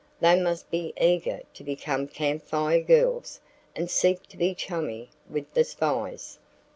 They must be eager to become Camp Fire Girls and seek to be chummy with the spies.